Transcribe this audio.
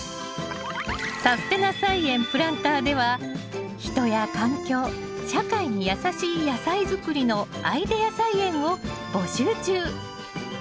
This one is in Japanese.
「さすてな菜園プランター」では人や環境社会にやさしい野菜づくりのアイデア菜園を募集中。